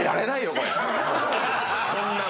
こんなの。